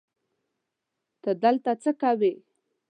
ته دلته څه کوی